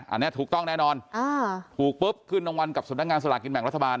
อันนี้ถูกต้องแน่นอนถูกปุ๊บขึ้นนางวัลกับสถานกินแม่งลัฐบาล